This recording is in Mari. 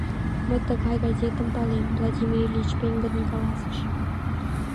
— Мый тыгай газетым палем, — Владимир Ильич пеҥгыдын каласыш.